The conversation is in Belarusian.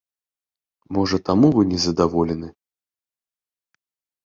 Можа таму вы незадаволены?